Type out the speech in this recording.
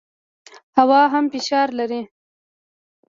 هوا هم فشار لري.